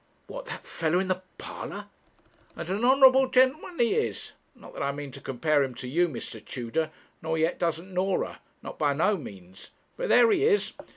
'What! that fellow in the parlour?' 'And an honourable gentleman he is. Not that I mean to compare him to you, Mr. Tudor, nor yet doesn't Norah; not by no means. But there he is.